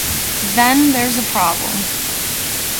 Then there’s a problem...